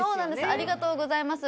ありがとうございます。